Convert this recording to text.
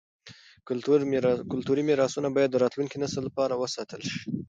کلتوري میراثونه باید د راتلونکي نسل لپاره وساتل شي.